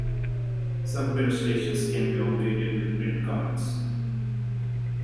Some print stations can be operated with print cards.